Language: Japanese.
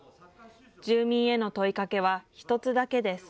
住民への問いかけは１つだけです。